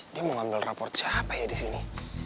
dia mau ngambil rapot siapa ya disini